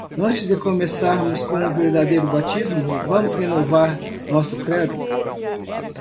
Antes de começarmos com o verdadeiro batismo?, vamos renovar nosso credo.